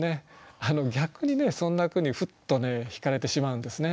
逆にそんな句にふっとひかれてしまうんですね。